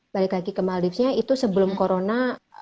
balik lagi ke maldipsnya itu sebelum corona